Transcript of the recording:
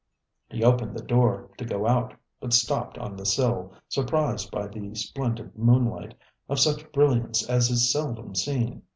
He opened the door to go out, but stopped on the sill, surprised by the splendid moonlight, of such brilliance as is seldom seen.